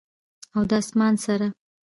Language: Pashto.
او د اسمان سره،